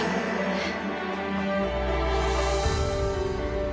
えっ！